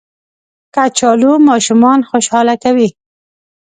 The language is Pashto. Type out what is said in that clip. کچالو ماشومان خوشحاله کوي